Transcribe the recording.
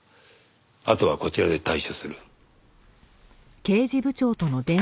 あとはこちらで対処する。